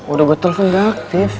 udah gua telpon udah aktif